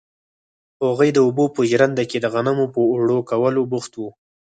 هغوی د اوبو په ژرنده کې د غنمو په اوړه کولو بوخت وو.